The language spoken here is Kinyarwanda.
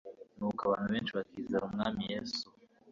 nuko abantu benshi bakizera Umwami Yesu.